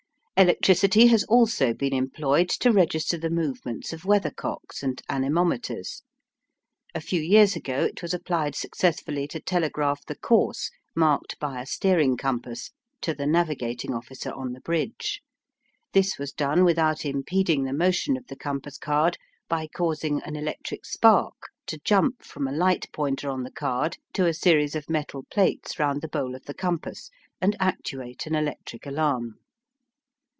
Electricity has also been employed to register the movements of weathercocks and anemometers. A few years ago it was applied successfully to telegraph the course marked by a steering compass to the navigating officer on the bridge. This was done without impeding the motion of the compass card by causing an electric spark to jump from a light pointer on the card to a series of metal plates round the bowl of the compass, and actuate an electric alarm.